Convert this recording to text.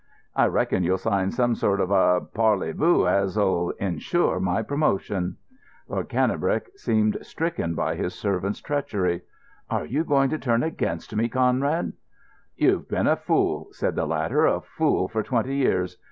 I reckon you'll sign some sort of a parlez vous as'll ensure my promotion." Lord Cannebrake seemed stricken by his servant's treachery. "Are you going to turn against me, Conrad?" "You've been a fool," said the latter—"a fool for twenty years.